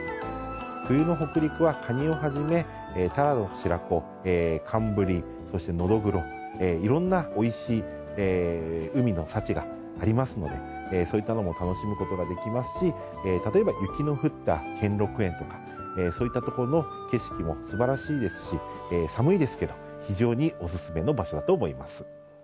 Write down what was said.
冬の北陸はカニをはじめ、タラの白子、寒ブリ、そしてノドグロ、いろんなおいしい海の幸がありますので、そういったものも楽しむことができますし、例えば雪の降った兼六園とか、そういった所の景色もすばらしいですし、寒いですけど、非常にお勧めの場所だと思います。